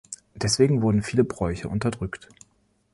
Deswegen wurden viele Bräuche unterdrückt.